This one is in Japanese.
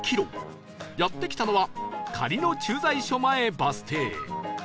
やって来たのは苅野駐在所前バス停